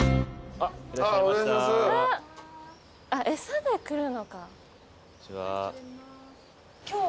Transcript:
あっ餌で来るのか。